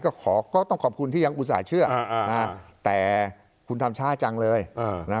ก็ขอก็ต้องขอบคุณที่ยังอุตส่าห์เชื่อแต่คุณทำช้าจังเลยนะ